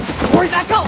中を！